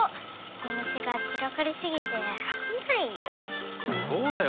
おみせがちらかりすぎてあぶないよ。